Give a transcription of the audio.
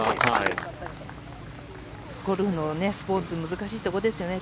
ゴルフの、スポーツの難しいところですよね。